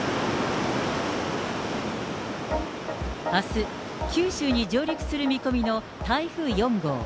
あす、九州に上陸する見込みの台風４号。